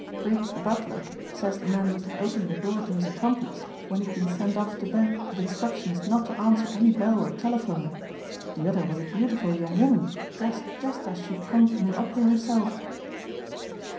Briggs, the butler, says the man must have opened the door to his accomplice when he'd been sent off to bed with instructions not to answer any bell or telephone. The other was a beautiful young woman dressed just as she'd come from the Opera herself."